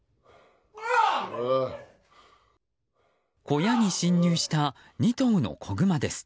小屋に侵入した２頭の子グマです。